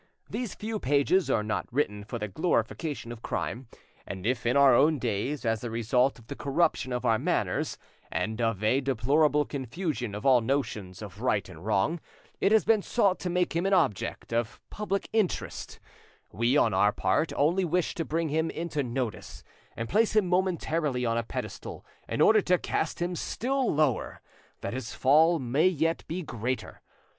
These few pages are not written for the glorification of crime, and if in our own days, as a result of the corruption of our manners, and of a deplorable confusion of all notions of right and wrong, it has been sought to make him an object; of public interest, we, on our part, only wish to bring him into notice, and place him momentarily on a pedestal, in order to cast him still lower, that his fall may be yet greater.